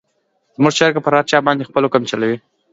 زموږ چرګه په هر چا باندې خپل حکم چلوي.